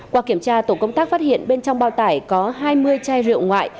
qua kiểm tra tổ công tác phát hiện bên trong bao tải có hai mươi chai rượu ngoại